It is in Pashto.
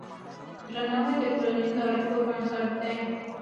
درناوی د ټولنیزو اړیکو بنسټ دی.